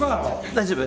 大丈夫？